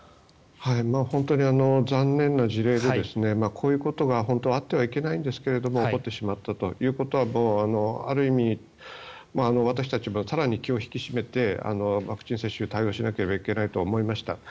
本当に残念な事例でこういうことが本当はあってはいけないんですが起こってしまったということはある意味、私たちは更に気を引き締めてワクチン接種に対応しなければいけないと思いました。